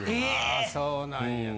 あそうなんや。